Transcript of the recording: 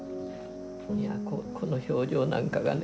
この表情なんかがね